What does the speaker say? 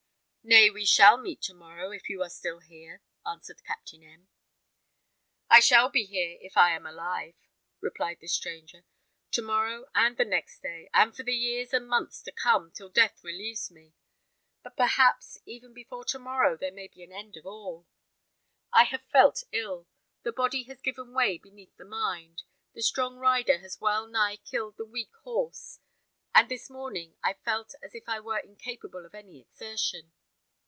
"Nay, we shall meet to morrow, if you are still here," answered Captain M . "I shall be here, if I am alive," replied the stranger, "to morrow, and the next day, and for the years and months to come, till death relieves me. But perhaps even before to morrow there may be an end of all. I have felt ill: the body has given way beneath the mind; the strong rider has well nigh killed the weak horse; and this morning I felt as if I were incapable of any exertion.